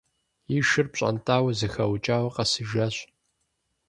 И шыр пщӀэнтӀауэ, зэхэукӀауэ къэсыжащ.